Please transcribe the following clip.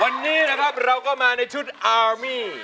วันนี้นะครับเราก็มาในชุดอาร์มี่